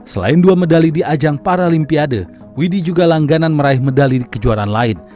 selain dua medali di ajang paralimpiade widhi juga langganan meraih medali di kejuaraan lain